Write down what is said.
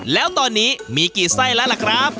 แล้วตอนนี้มีกี่ไส้แล้วล่ะครับ